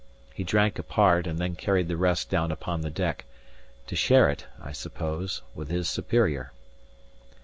He drank a part, and then carried the rest down upon the deck, to share it (I suppose) with his superior.